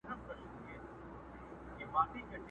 یو څه په ځان د سړیتوب جامه کو،